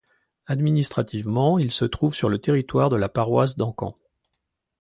Administrativement, il se trouve sur le territoire de la paroisse d'Encamp.